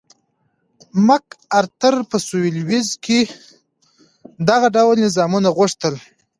مک ارتر په سوېلي ویلز کې دغه ډول نظامونه غوښتل.